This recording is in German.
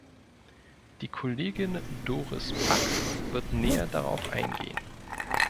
Die Kollegin Doris Pack wird näher darauf eingehen.